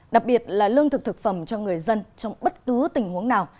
đặc biệt là lương thực thực phẩm cho người dân trong bất cứ tình huống nào